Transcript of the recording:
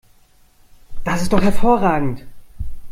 Das ist doch hervorragend!